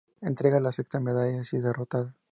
Entrega la sexta medalla si es derrotada.